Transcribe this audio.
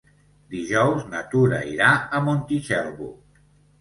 Dijous na Tura irà a Montitxelvo.